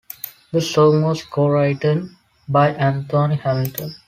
The song was co-written by Anthony Hamilton.